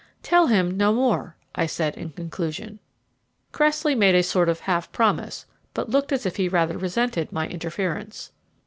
"Tell him no more," I said in conclusion. Cressley made a sort of half promise, but looked as if he rather resented my interference.